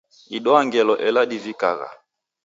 Idwaa ngelo ela divikagha.